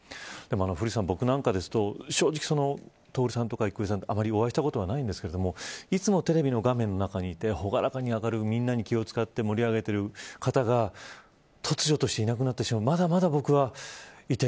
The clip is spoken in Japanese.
古市さん、僕なんかですと正直、徹さんと郁恵さんにはあまりお会いしたことないですけどいつもテレビの画面の中にいて朗らかに明るくみんなに気を使って盛り上げている方が突如としていなくなってしまう。